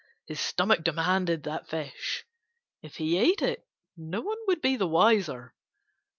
His stomach demanded that fish. If he ate it, no one would be the wiser.